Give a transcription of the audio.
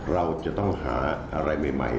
เราจะต้องหาอะไรใหม่